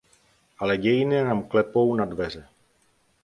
Ale dějiny nám klepou na dveře.